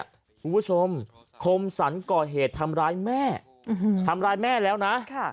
คุณผู้ชมคมสรรก่อเหตุทำร้ายแม่ทำร้ายแม่แล้วนะ